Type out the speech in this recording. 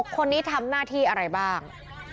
คนนี้ทำหน้าที่อะไรบ้าง